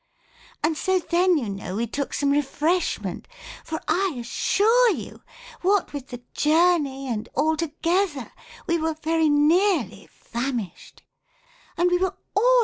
And so then you know we took some refresh ^ ment, for I assure you, what with the journey and alto gether we were very nearly famished ; and we were all ar PROSODY.